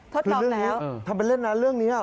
ทดลองแล้วทำเป็นเล่นนะเรื่องนี้